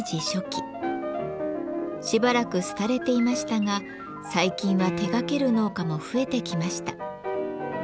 しばらく廃れていましたが最近は手がける農家も増えてきました。